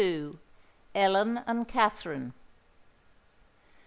ELLEN AND KATHERINE.